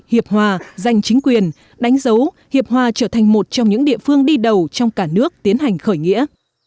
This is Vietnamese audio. hiệp hòa giành chính quyền đánh dấu hiệp hòa trở thành một trong những địa phương đi đầu trong cả nước tiến hành khởi nghĩa